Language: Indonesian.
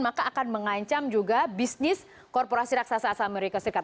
maka akan mengancam juga bisnis korporasi raksasa asal amerika serikat